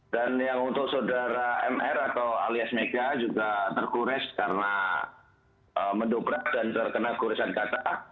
dan yang untuk saudara mr atau alias mega juga tergores karena mendobrak dan terkena goresan kata